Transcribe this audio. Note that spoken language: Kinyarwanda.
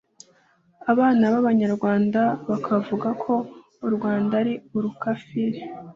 abana b’Abanyarwanda bakavuga ko u Rwanda ari urukafiri